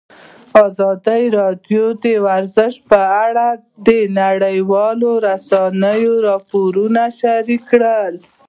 ازادي راډیو د ورزش په اړه د نړیوالو رسنیو راپورونه شریک کړي.